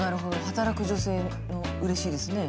働く女性のうれしいですね。